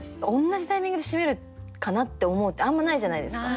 「同じタイミングで閉めるかな」って思うってあんまないじゃないですか。